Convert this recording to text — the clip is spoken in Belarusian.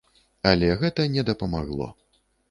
Але гэта не дапамагло.